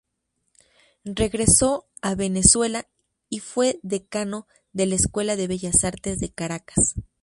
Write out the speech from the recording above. Regresó a Venezuela y fue decano de la Escuela de Bellas Artes de Caracas.